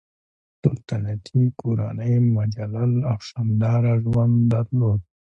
سلطنتي کورنۍ مجلل او شانداره ژوند درلود.